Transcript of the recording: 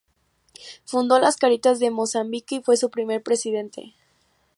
Fundó la Caritas de Mozambique y fue su primer presidente.